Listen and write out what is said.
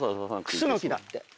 クスノキだって。